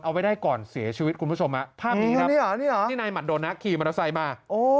เอาไว้ได้ก่อนเสียชีวิตคุณผู้ชมภาพนี้ครับที่นายหมัดโดนนะขี่มอเตอร์ไซค์มา